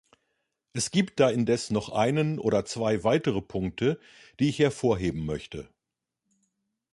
Es gibt da indes noch einen oder zwei weitere Punkte, die ich hervorheben möchte.